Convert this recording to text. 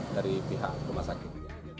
dari pihak rumah sakit